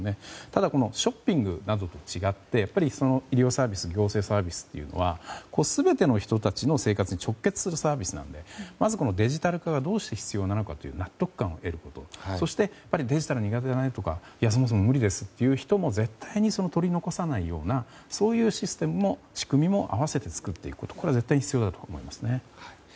ただ、ショッピングなどと違って医療サービスや行政サービスというのは全ての人たちの生活に直結するサービスなのでまずデジタル化がどうして必要なのかという納得感を得ることそしてデジタルが苦手だとかそもそも無理ですという人も絶対に取り残さないようなそういうシステム、仕組みも併せて作っていくことこれが絶対必要だと思いますね。